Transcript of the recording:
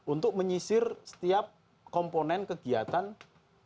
untuk menyisir setiap komponen kegiatan dan perusahaan